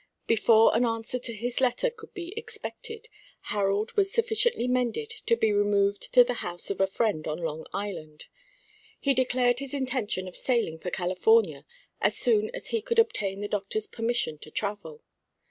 Before an answer to his letter could be expected, Harold was sufficiently mended to be removed to the house of a friend on Long Island. He declared his intention of sailing for California as soon as he could obtain the doctor's permission to travel.